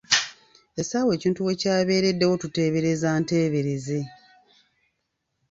Essaawa ekintu we kya beereddewo tuteebereza nteebereze.